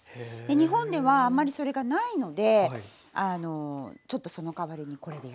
日本ではあまりそれがないのでちょっとその代わりにこれで。